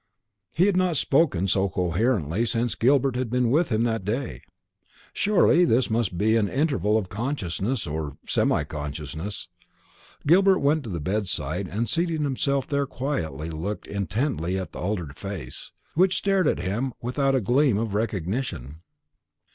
He had not spoken so coherently since Gilbert had been with him that day. Surely this must be an interval of consciousness, or semi consciousness. Gilbert went to the bedside, and, seating himself there quietly, looked intently at the altered face, which stared at him without a gleam of recognition.